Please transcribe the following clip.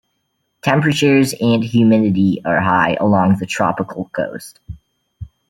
Temperatures and humidity are high along the tropical coast.